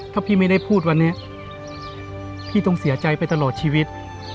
ถ้าพี่ไม่ได้พูดวันนี้พี่ต้องเสียใจไปตลอดชีวิต